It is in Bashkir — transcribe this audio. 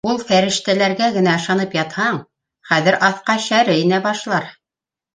Ул фәрештәләргә генә ышанып ятһаң, хәҙер аҫҡа шәре инә башлар.